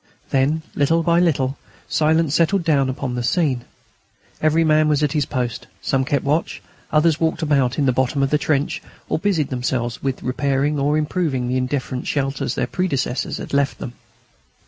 Then, little by little, silence settled down upon the scene. Every man was at his post: some kept watch, others walked about at the bottom of the trench or busied themselves with repairing or improving the indifferent shelters their predecessors had left them.